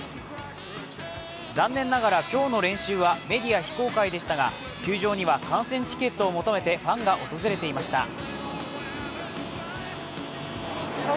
残念ながら今日の練習はメディア非公開でしたが、球場には観戦チケットを求めてファンが訪れていました。